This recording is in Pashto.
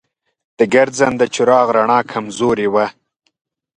د ګرځنده چراغ رڼا کمزورې وه.